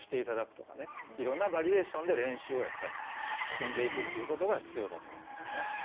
いろんなバリエーションで練習をやっぱり積んでいくということが必要だと思いますね。